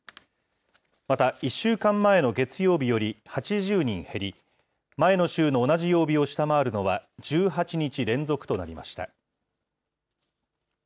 また、１週間前の月曜日より８０人減り、前の週の同じ曜日を下回るのは１８日連続となりました。